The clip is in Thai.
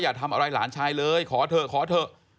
อย่าทำอะไรหลานชายเลยขอเถอะขอเถอะ